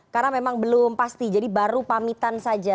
karena memang belum pasti jadi baru pamitan saja